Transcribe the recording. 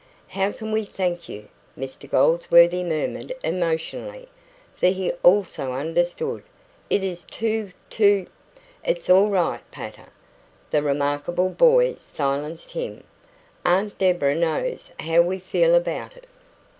"How can we thank you," Mr Goldsworthy murmured emotionally, for he also understood. "It is too, too " "It's all right, pater," the remarkable boy silenced him. "Aunt Deborah knows how we feel about it."